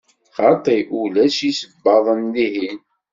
Xaṭi, ulac isebbaḍen dihin.